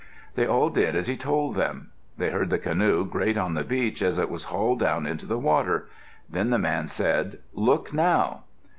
They all did as he told them. They heard the canoe grate on the beach as it was hauled down into the water. Then the man said, "Look now."